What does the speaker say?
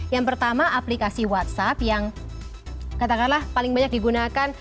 yang pertama aplikasi whatsapp yang katakanlah paling banyak digunakan